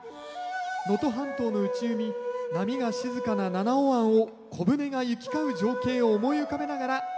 能登半島の内海波が静かな七尾湾を小舟が行き交う情景を思い浮かべながらお聴き下さい。